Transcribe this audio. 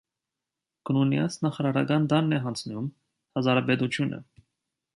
Գնունյաց նախարարական տանն է հանձնում հազարապետությունը։